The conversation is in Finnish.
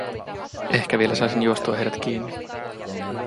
Ehkä vielä saisin juostua heidät kiinni.